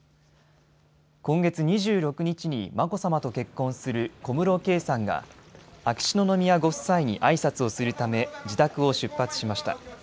今月２６日に眞子さまと結婚する小室圭さんが秋篠宮ご夫妻にあいさつをするため自宅を出発しました。